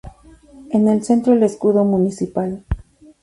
En el centro, el escudo municipal.